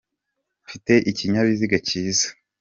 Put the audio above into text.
Mfite ikinyabiziga kiza.